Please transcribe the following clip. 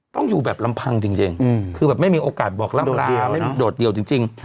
ต้องอยู่แบบลำพังจริงคือแบบไม่มีโอกาสบอกล่ำลาไม่มีโดดเดี่ยวจริง